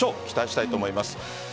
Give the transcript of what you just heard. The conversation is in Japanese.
期待したいと思います。